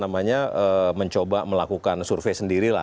mencoba melakukan survei sendiri lah